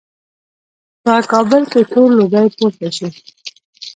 په بابل کې تور لوګی پورته شي.